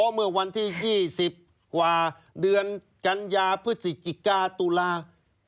เมื่อวันที่๒๐กว่าเดือนกันยาพฤศจิกาตุลา